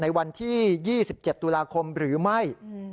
ในวันที่๒๗ตุลาคมหรือไม่